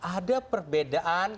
ada perbedaan cara